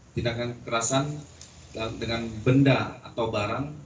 tindakan kekerasan dengan benda atau barang